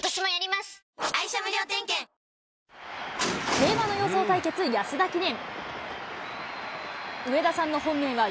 競馬の予想対決、安田記念。